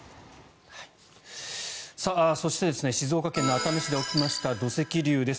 そして静岡県の熱海市で起きました土石流です。